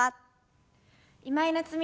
今井菜津美です。